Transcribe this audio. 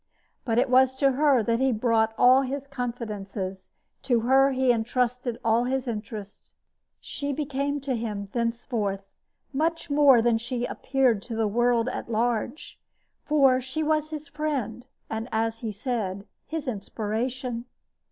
But it was to her that he brought all his confidences, to her he entrusted all his interests. She became to him, thenceforth, much more than she appeared to the world at large; for she was his friend, and, as he said, his inspiration.